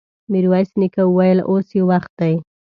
ميرويس نيکه وويل: اوس يې وخت دی!